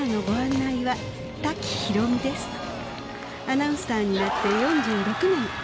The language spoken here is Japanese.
アナウンサーになって４６年。